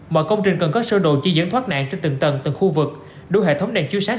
mọi công trình cần có sơ đồ chi dẫn thoát nạn trên từng tầng từng khu vực đối hệ thống điện chiếu sáng